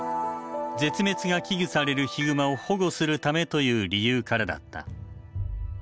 「絶滅が危惧されるヒグマを保護するため」という理由からだった。